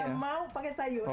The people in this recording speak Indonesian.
yang mau pakai sayur